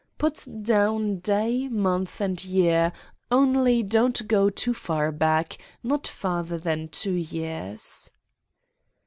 'Put down day, month, and year, only don't go too far back; not farther than two years.